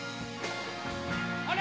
あれ？